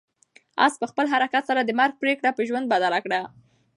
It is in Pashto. آس په خپل حرکت سره د مرګ پرېکړه په ژوند بدله کړه.